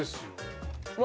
うわ！